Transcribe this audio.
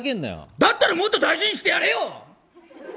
だったらもっと大事にしてやれよ！